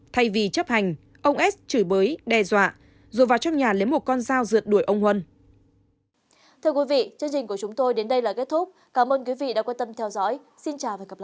thay vì chấp hành ông s chửi bới đe dọa rồi vào trong nhà lấy một con dao rượt đuổi ông huân